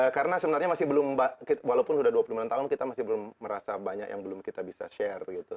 karena sebenarnya masih belum walaupun sudah dua puluh sembilan tahun kita masih belum merasa banyak yang belum kita bisa share gitu